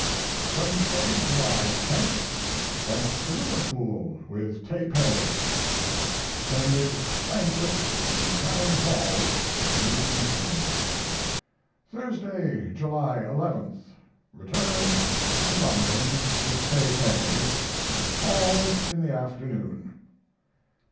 Wednesday, July 10. Went to Liverpool with Tay Pay. Attended banquet in the Town Hall in the evening. Thursday, July 11. Returned to London with Tay Pay. Calls in the afternoon.